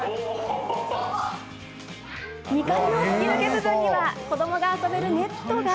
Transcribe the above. ２階の吹き抜け部分には子どもが遊べるネットが。